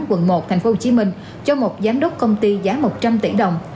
quận một tp hcm cho một giám đốc công ty giá một trăm linh tỷ đồng